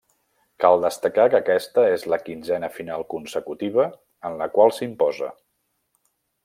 Cal destacar que aquesta és la quinzena final consecutiva en la qual s'imposa.